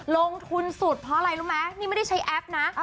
ลงทุนสุดเพราะอะไรรู้ไหมนี่ไม่ได้ใช้แอปนะ